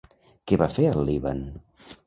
Què va fer al Líban?